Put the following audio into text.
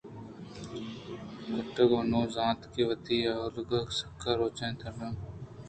کٹگ ءَ نُوں زانت کہ وتی آئوکیں سکّیں روچانی تیاری الّم ءَچہ ساری ءَ کنگ لوٹنت